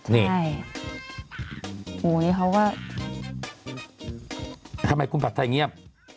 นี่อุ๊ยเขาว่าทำไมคุณผักไทยเงียบ